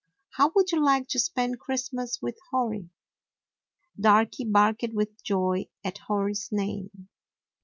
How would you like to spend Christmas with Hori?" Darky barked with joy at Hori's name.